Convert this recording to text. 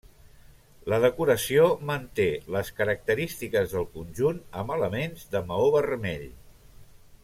La decoració manté les característiques del conjunt, amb elements de maó vermell.